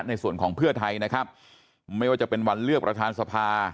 ในส่วนของเพื่อไทยนะครับไม่ว่าจะเป็นวันเลือกประธานสภา